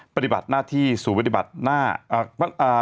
ปฏิบัติหน้าที่สู่ปฏิบัติการส่วนน่า